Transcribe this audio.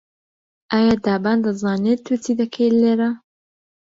ئایا دابان دەزانێت تۆ چی دەکەیت لێرە؟